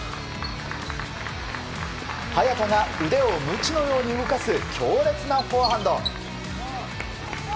早田が腕を鞭のように動かす強烈なフォアハンド。